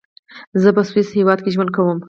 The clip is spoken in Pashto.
زۀ پۀ سويس هېواد کې ژوند کوم.